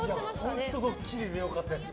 本当、ドッキリでよかったです。